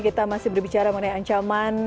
kita masih berbicara mengenai ancaman